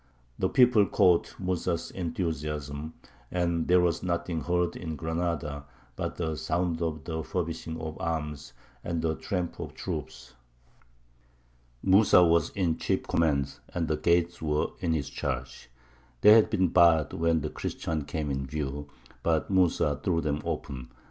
The people caught Mūsa's enthusiasm, and there was nothing heard in Granada but the sound of the furbishing of arms and the tramp of troops. Mūsa was in chief command, and the gates were in his charge. They had been barred when the Christians came in view; but Mūsa threw them open.